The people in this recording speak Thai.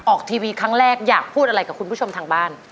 ออกทีวีครั้งแรกอยากพูดอะไรกับคุณผู้ชมทางบ้าน